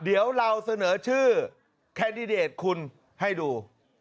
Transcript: เดี๋ยวเราเสนอชื่อแคนดิเดตคุณให้ดู